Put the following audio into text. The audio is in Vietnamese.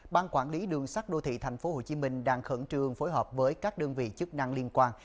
ban quản lý đường sắt đô thị tp hcm đang khẩn trương phối hợp với các đơn vị chức năng liên quan